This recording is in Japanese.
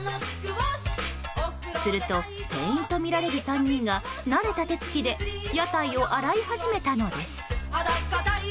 すると、店員とみられる３人が慣れた手つきで屋台を洗い始めたのです。